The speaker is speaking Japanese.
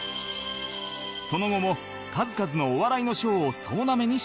その後も数々のお笑いの賞を総なめにしていた